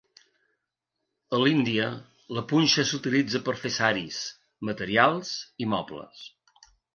A l'Índia, la punxa s'utilitza per fer saris, materials i mobles.